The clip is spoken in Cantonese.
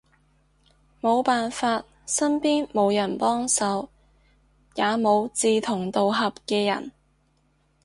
無辦法，身邊無人幫手，也無志同道合嘅人